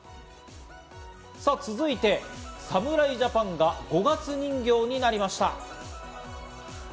さぁ続いて、侍ジャパンが五月人形になりました。